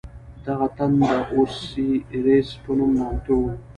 دغه تن د اوسیریس په نوم نامتوو.